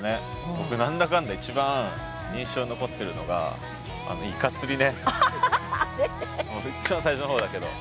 僕何だかんだ一番印象に残ってるのが一番最初のほうだけど。